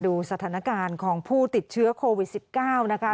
ดูสถานการณ์ของผู้ติดเชื้อโควิด๑๙นะคะ